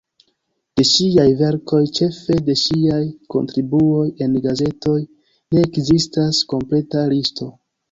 De ŝiaj verkoj, ĉefe de ŝiaj kontribuoj en gazetoj, ne ekzistas kompleta listo.